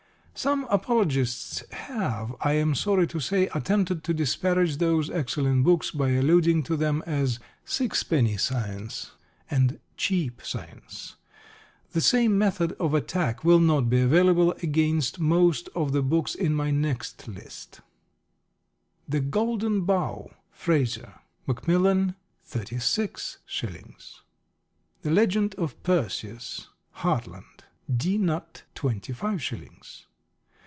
_ Some Apologists have, I am sorry to say, attempted to disparage those excellent books by alluding to them as "Sixpenny Science" and "Cheap Science." The same method of attack will not be available against most of the books in my next list: The Golden Bough, Frazer. Macmillan, 36s. The Legend of Perseus, Hartland. D. Nutt, 25s.